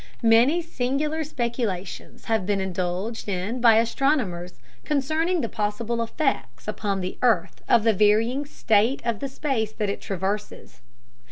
Many singular speculations have been indulged in by astronomers concerning the possible effects upon the earth of the varying state of the space that it traverses.